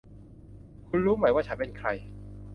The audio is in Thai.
คุณรู้ไหมว่าฉันเป็นใคร